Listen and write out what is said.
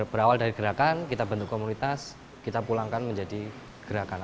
berawal dari gerakan kita bentuk komunitas kita pulangkan menjadi gerakan